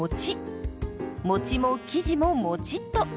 もちも生地ももちっと。